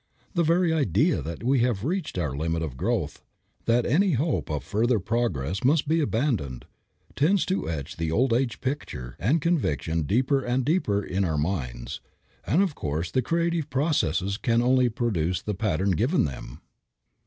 The very idea that we have reached our limit of growth, that any hope of further progress must be abandoned, tends to etch the old age picture and conviction deeper and deeper in our minds, and of course the creative processes can only reproduce the pattern given them.